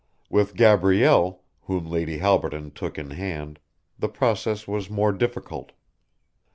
With Gabrielle, whom Lady Halberton took in hand, the process was more difficult.